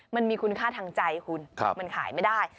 มันมีคุณค่าทางใจคุณมันขายไม่ได้